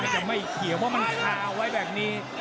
ยังไม่เขียวว่ามันคาวไว้แบบนี้